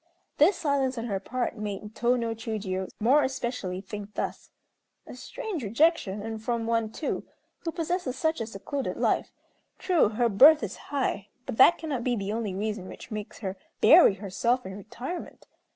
This silence on her part made Tô no Chiûjiô, more especially, think thus: "A strange rejection; and from one, too, who possesses such a secluded life. True, her birth is high; but that cannot be the only reason which makes her bury herself in retirement.